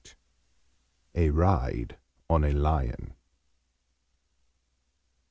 A RIDE ON A LION.